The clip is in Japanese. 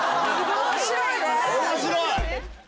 面白いね。